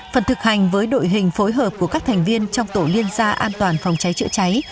phần thực hành với đội hình phối hợp của các thành viên trong tổ liên gia an toàn phòng cháy chữa cháy